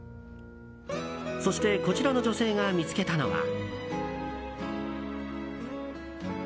そして、こちらの女性が見つけたのは。